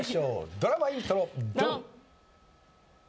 ドラマイントロドン！